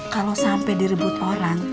kalau sampai direbut orang